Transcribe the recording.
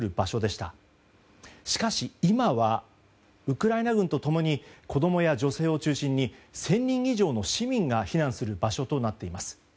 しかし、今はウクライナ軍と共に子供や女性を中心に１０００人以上の市民が避難する場所となっています。